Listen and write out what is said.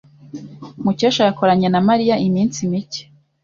Mukesha yakoranye na Mariya iminsi mike.